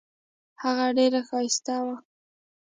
هغه ډیره ښایسته وه.